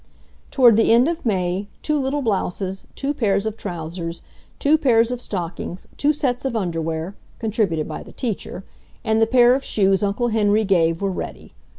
Toward the end of May two little blouses, two pairs of trousers, two pairs of stockings, two sets of underwear (contributed by the teacher), and the pair of shoes Uncle Henry gave were ready.